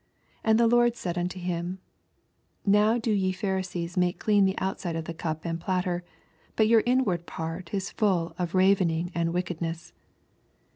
39 And the Lord said unto him, Now do ye Pharisees muke clean the outside of the cup and platter ; but your inward part is full of ravening and wickedness.